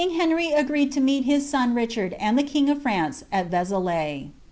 Henry agreed to meet his eon Richard and the king of France at Te xalai.